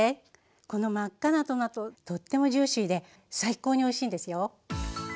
この真っ赤なトマトとってもジューシーで最高においしいんですよ。